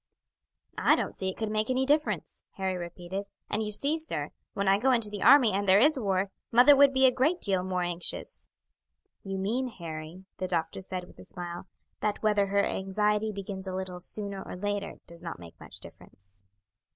"I don't see it could make any difference," Harry repeated; "and you see, sir, when I go into the army and there is war, mother would be a great deal more anxious." "You mean, Harry," the doctor said with a smile, "that whether her anxiety begins a little sooner or later does not make much difference."